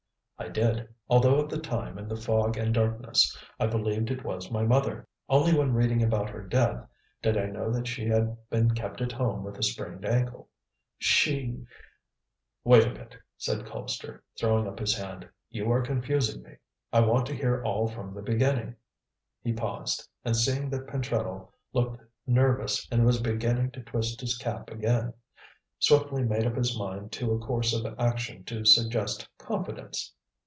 "I did, although at the time in the fog and darkness I believed it was my mother. Only when reading about her death did I know that she had been kept at home with a sprained ankle. She " "Wait a bit," said Colpster, throwing up his hand; "you are confusing me. I want to hear all from the beginning." He paused, and seeing that Pentreddle looked nervous and was beginning to twist his cap again, swiftly made up his mind to a course of action to suggest confidence.